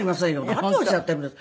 何をおっしゃっているんです。